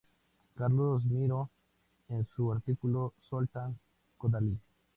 Carlos Miró, en su artículo "Zoltán Kodály.